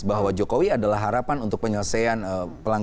bahwa jokowi adalah harapan untuk penyelesaian pelanggaran pelanggaran ham